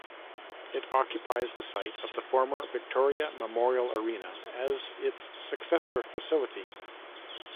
It occupies the site of the former Victoria Memorial Arena as its successor facility.